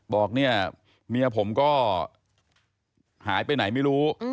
บอกเนี่ยเมียผมก็หายไปไหนไม่รู้